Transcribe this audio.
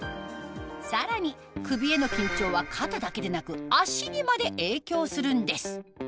さらに首への緊張は肩だけでなく足にまで影響するんです